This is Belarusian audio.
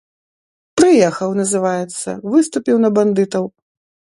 Прыехаў, называецца, выступіў на бандытаў.